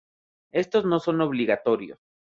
Estos no son obligatorios.